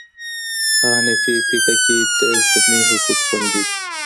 په حنفي فقه کي د ذمي حقوق خوندي دي.